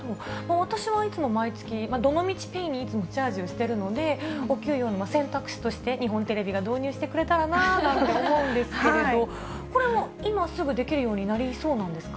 私はいつも毎月、どのみちＰａｙにいつもチャージをしているので、給料の選択肢として、日本テレビが導入してくれたらなと思うんですけれど、これも今すぐできるようになりそうなんですか。